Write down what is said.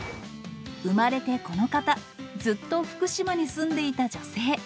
生まれてこのかた、ずっと福島に住んでいた女性。